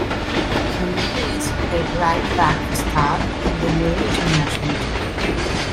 For many years he played right back for Start and the Norwegian national team.